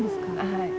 はい。